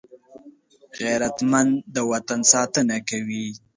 غیرتمند د وطن ساتنه کوي